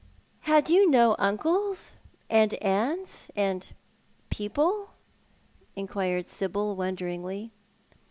" Had you no uncles and aunts, and people ?" inquired Sibyl wonderingly.